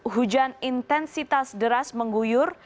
hujan intensitas deras mengguyur